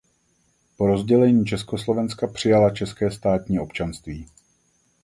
Po rozdělení Československa přijala české státní občanství.